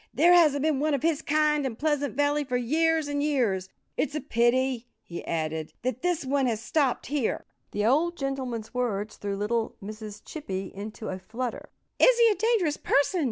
"There hasn't been one of his kind in Pleasant Valley for years and years.... It's a pity," he added, "that this one has stopped here." The old gentleman's words threw little Mrs. Chippy into a flutter. "Is he a dangerous person?"